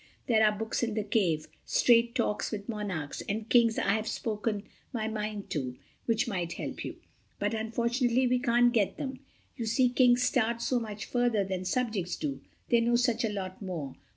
There are books in the cave, Straight Talks with Monarchs, and Kings I Have Spoken My Mind To, which might help you. But, unfortunately, we can't get them. You see, Kings start so much further than subjects do: they know such a lot more.